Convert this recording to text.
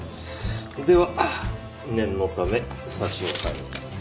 では念のため差し押さえを。